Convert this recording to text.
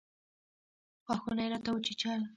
غاښونه يې راته وچيچل.